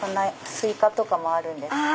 スイカとかもあるんです。